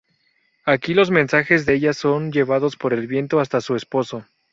Aquí los mensajes de ella son llevados por el viento hasta su esposo.